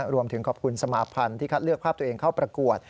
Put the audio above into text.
รวมถึงขอบคุณสมาพันธ์ที่คัดเลือกภาพตัวเองเข้าประกวด